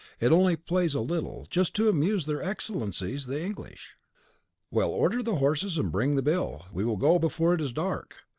It only plays a little, just to amuse their Excellencies the English." "Well, order the horses, and bring the bill; we will go before it is dark.